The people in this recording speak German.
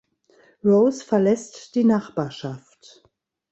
Rose verlässt die Nachbarschaft.